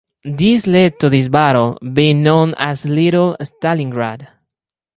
This led to this battle being known as Little Stalingrad.